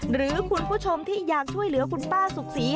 หรือคุณผู้ชมที่อยากช่วยเหลือคุณป้าสุขศรี